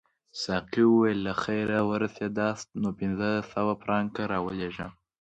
ساقي وویل که له خیره ورسیداست نو پنځه سوه فرانکه راولېږه.